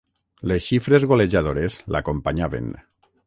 Les xifres golejadores l'acompanyaven.